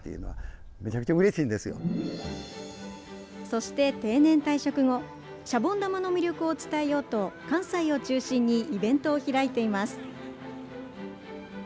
そして、定年退職後、シャボン玉の魅力を伝えようと、関西を中心にイベントを開いています。